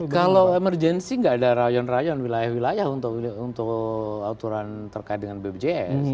kalau emergensi nggak ada rayon rayon wilayah wilayah untuk aturan terkait dengan bpjs